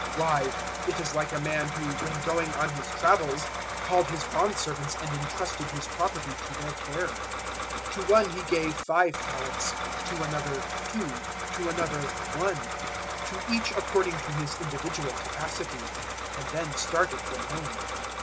025:014 "Why, it is like a man who, when going on his travels, called his bondservants and entrusted his property to their care. 025:015 To one he gave five talents, to another two, to another one to each according to his individual capacity; and then started from home.